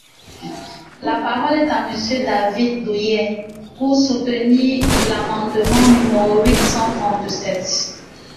La parole est à Monsieur David Douillet, pour soutenir l’amendement numéro huit cent trente-sept.